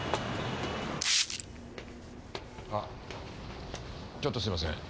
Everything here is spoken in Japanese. あちょっとすいません。